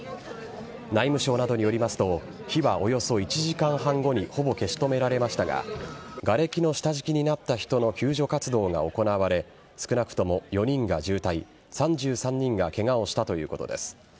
内務省などによりますと火は、およそ１時間半後にほぼ消し止められましたががれきの下敷きになった人の救助活動が行われ少なくとも４人が重体３３人がケガをしたということです。